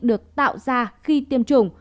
được tạo ra khi tiêm chủng